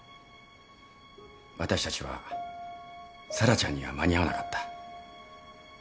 私たちは沙羅ちゃんには間に合わなかった。